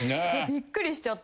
びっくりしちゃって。